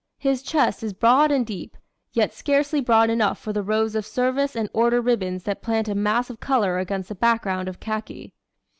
His chest is broad and deep, yet scarcely broad enough for the rows of service and order ribbons that plant a mass of color against the background of khaki.